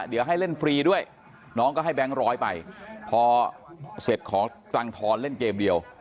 เดี๋ยวให้เล่นฟรีด้วยน้องก็ให้แบงค์ร้อยไปพอเสร็จขอตังค์ทอนเล่นเกมเดียว